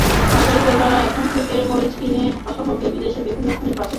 পাইকারি ক্রেতারা এখান থেকে মরিচ কিনে ঢাকাসহ দেশের বিভিন্ন স্থানে পাঠিয়ে থাকেন।